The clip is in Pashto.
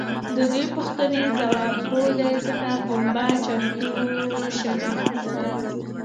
د دې پوښتنې ځواب هو دی ځکه پنبه چمتو شوې.